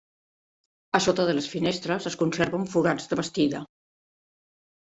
A sota de les finestres es conserven forats de bastida.